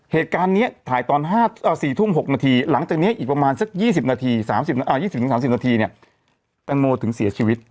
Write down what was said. เหตุการณ์นี้ถ่ายตอน๔ทุ่ม๖นาทีหลังจากนี้อีกประมาณสัก๒๐นาที๒๐๓๐นาทีเนี่ยแตงโมถึงเสียชีวิต